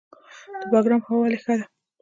د بګرام هوا ولې ښه ده؟